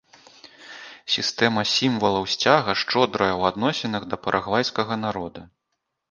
Сістэма сімвалаў сцяга шчодрая ў адносінах да парагвайскага народа.